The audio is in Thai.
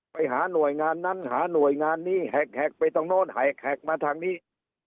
ไปหาหน่วยงานนั้นหาหน่วยงานนี้แหกไปตรงโน้นแหกมาทางนี้